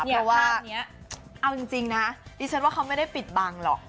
ภาพนี้เอาจริงนะดิฉันว่าเขาไม่ได้ปิดบังหรอก